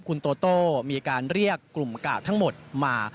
คุณโตโต้มีการเรียกกลุ่มกาดทั้งหมดมา